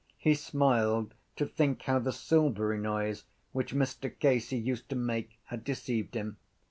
He smiled to think how the silvery noise which Mr Casey used to make had deceived him.